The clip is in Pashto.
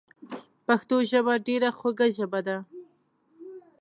پښتو ژبه ډیره خوږه ژبه ده